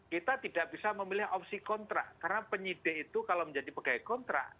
kita tidak bisa memilih opsi kontrak karena penyidik itu kalau menjadi pegawai kontrak